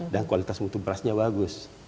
dan kualitas mutu berasnya bagus